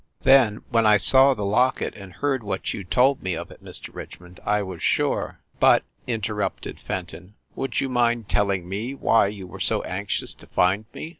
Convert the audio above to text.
Then, when I saw the locket and heard what you told me of it, Mr. Richmond, I was sure." "But," interrupted Fenton, "would you mind tell ing me why you were so anxious to find me?